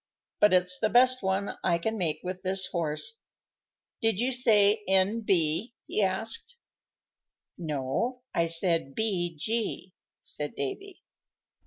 "But it's the best one I can make with this horse. Did you say N.B.?" he asked. "No, I said B.G.," said Davy.